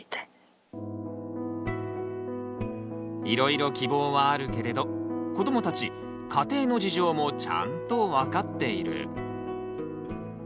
いろいろ希望はあるけれど子どもたち家庭の事情もちゃんと分かっている。